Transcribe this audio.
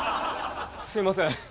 すいません。